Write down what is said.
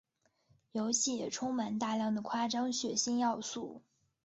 游戏也充满大量的夸张血腥要素。